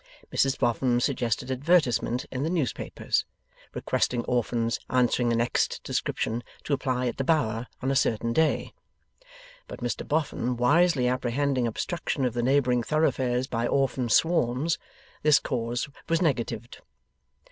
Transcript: Mrs Boffin suggested advertisement in the newspapers, requesting orphans answering annexed description to apply at the Bower on a certain day; but Mr Boffin wisely apprehending obstruction of the neighbouring thoroughfares by orphan swarms, this course was negatived.